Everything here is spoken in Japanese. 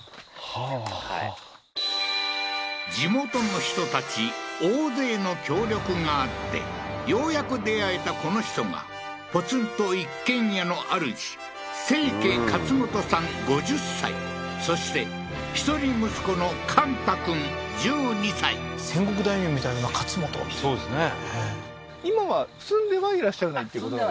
はあはあ地元の人たち大勢の協力があってようやく出会えたこの人がポツンと一軒家のあるじ清家勝元さん５０歳そして一人息子の勘太くん１２歳戦国大名みたいな勝元ってそうですね